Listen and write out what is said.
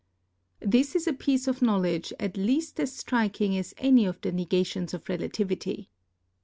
This is a piece of knowledge at least as striking as any of the negations of relativity.